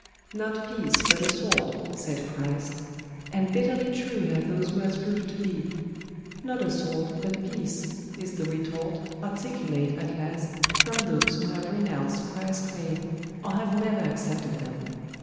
'Not peace but a sword,' said CHRIST; and bitterly true have those words proved to be. 'Not a sword but peace' is the retort, articulate at last, from those who have renounced CHRIST'S claims or have never accepted them.